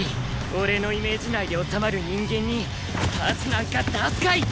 俺のイメージ内で収まる人間にパスなんか出すかい！